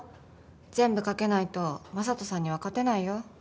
全部懸けないとＭａｓａｔｏさんには勝てないよ。